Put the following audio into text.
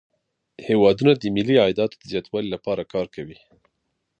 هیوادونه د ملي عایداتو د زیاتوالي لپاره کار کوي